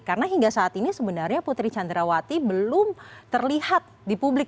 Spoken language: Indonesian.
karena hingga saat ini sebenarnya putri candrawati belum terlihat di publik